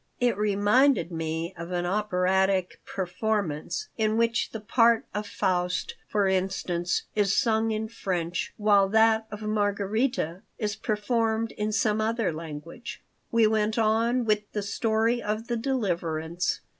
It reminded me of an operatic performance in which the part of Faust, for instance, is sung in French, while that of Margarita is performed in some other language. We went on with the Story of the Deliverance.